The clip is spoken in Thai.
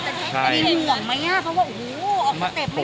มีห่วงไหมนะเพราะว่าอุ้โหออกเต็ปไม่มากกว่าแล้ว